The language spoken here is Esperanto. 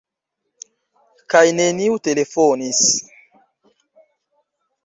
Kaj neniu telefonis.